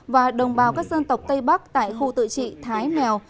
và đồng bào các dân tộc tây bắc tại khu tự trị thái mèo